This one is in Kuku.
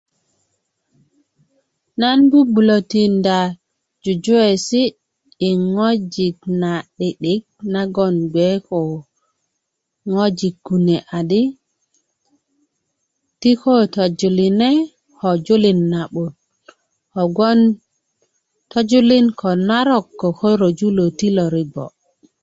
nan bubulö tinda jujuwesi i ŋwajik na'dik 'dik nagon bge ko ŋwajik kune adi ti ko töjuline ko juline na'but kogwon tojulin ko narok kokorju loti lo rigwö